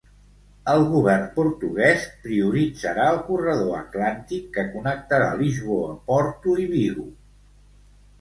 El govern portuguès prioritzarà el corredor Atlàntic que connectarà Lisboa, Porto i Vigo.